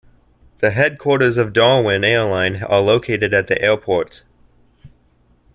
The headquarters of Darwin Airline are located at the airport.